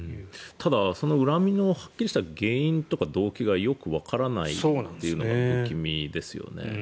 ただ、その恨みのはっきりとした原因とかがよくわからないというのが不気味ですよね。